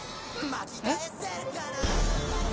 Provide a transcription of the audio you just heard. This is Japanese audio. えっ？